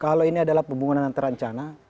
kalau ini adalah pembangunan yang terancana